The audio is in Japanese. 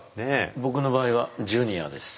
僕の場合は「ジュニア」です。